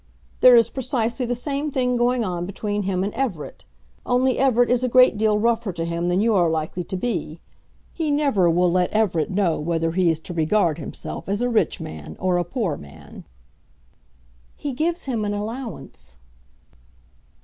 There is precisely the same thing going on between him and Everett; only Everett is a great deal rougher to him than you are likely to be. He never will let Everett know whether he is to regard himself as a rich man or a poor man." "He gives him an allowance."